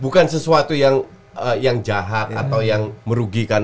bukan sesuatu yang jahat atau yang merugikan